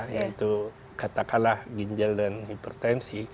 yaitu katakanlah ginjal dan hipertensi